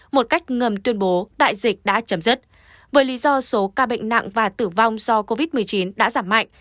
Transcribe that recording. một cách ngầm tuyên bố đại dịch đã chấm dứt bởi lý do số ca bệnh nặng và tử vong do covid một mươi chín đã giảm mạnh